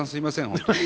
本当に。